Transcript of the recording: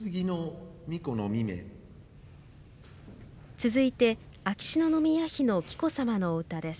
続いて秋篠宮妃の紀子さまのお歌です。